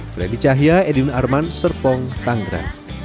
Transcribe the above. bagi cahya edwin arman serpong tangra